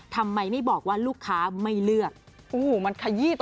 ทำไมไม่บอกว่าลูกค้าไม่เลือก